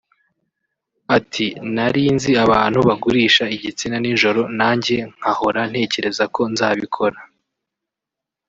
Ati “Nari nzi abantu bagurisha igitsina nijoro nanjye nkahora ntekereza ko nzabikora